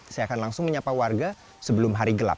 saya akan langsung menyapa warga sebelum hari gelap